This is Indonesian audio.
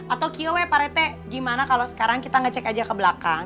atau kio weh parete gimana kalo sekarang kita ngecek aja ke belakang